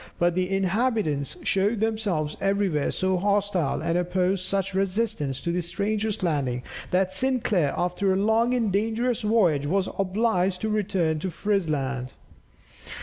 But the inhabitants showed themselves everywhere so hostile, and opposed such resistance to the strangers landing, that Sinclair after a long and dangerous voyage was obliged to return to Frisland.